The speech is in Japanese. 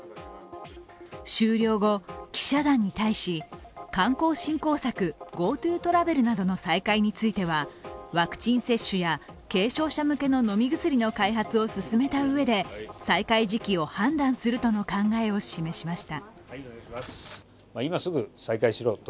終了後、記者団に対し、観光振興策ＧｏＴｏトラベルなどの再開についてはワクチン接種や、軽症者向けの飲み薬の開発を進めたうえで再開時期を判断するとの考えを示しました。